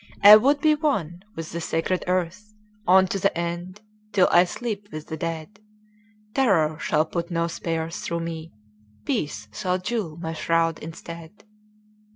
I would be one with the sacred earth On to the end, till I sleep with the dead. Terror shall put no spears through me. Peace shall jewel my shroud instead.